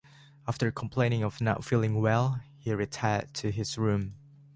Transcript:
After complaining of not feeling well, he retired to his room.